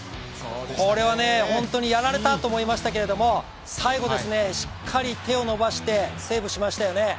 これはホントにやられたと思いましたけれども、最後、しっかり手を伸ばしてセーブしましたよね。